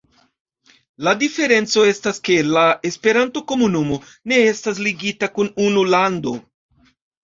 La diferenco estas, ke la Esperanto-komunumo ne estas ligita kun unu lando.